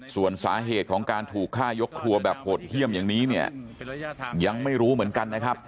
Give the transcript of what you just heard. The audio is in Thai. ส่วนสาเหตุของการถูกฆ่ายกครัวแบบโหดเยี่ยมอย่างนี้เนี่ยยังไม่รู้เหมือนกันนะครับ